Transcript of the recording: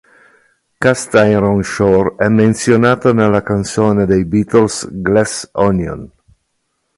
Cast Iron Shore è menzionato nella canzone dei Beatles "Glass Onion".